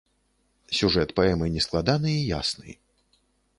Сюжэт паэмы нескладаны і ясны.